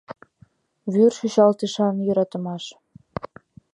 ВӰР ЧӰЧАЛТЫШАН ЙӦРАТЫМАШ